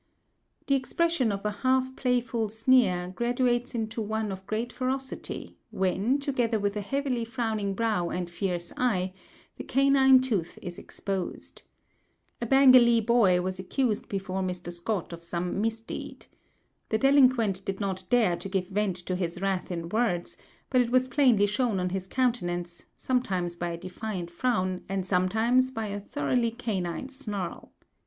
The expression of a half playful sneer graduates into one of great ferocity when, together with a heavily frowning brow and fierce eye, the canine tooth is exposed. A Bengalee boy was accused before Mr. Scott of some misdeed. The delinquent did not dare to give vent to his wrath in words, but it was plainly shown on his countenance, sometimes by a defiant frown, and sometimes "by a thoroughly canine snarl."